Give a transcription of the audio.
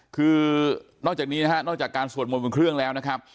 คือนอกจากนี้นะฮะนอกจากการสวดมนต์บนเครื่องแล้วนะครับ